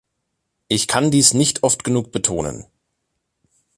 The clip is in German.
Ich kann dies nicht oft genug betonen.